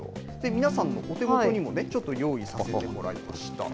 皆さんのお手元にもちょっと用意させてもらいました。